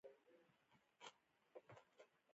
_ته خوشاله يې چې دا کوچۍ مړه شي؟